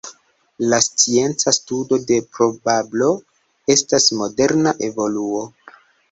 La scienca studo de probablo estas moderna evoluo.